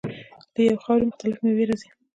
له یوې خاورې مختلفې میوې راځي.